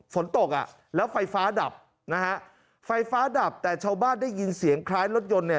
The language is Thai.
ฝนตกอ่ะแล้วไฟฟ้าดับนะฮะไฟฟ้าดับแต่ชาวบ้านได้ยินเสียงคล้ายรถยนต์เนี่ย